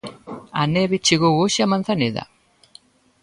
A neve chegou hoxe a Manzaneda.